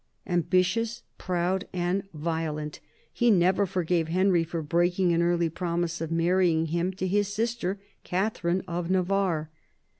Ambitious, proud and violent, he never forgave Henry for breaking an early promise of marrying him to his sister, Catherine of Navarre.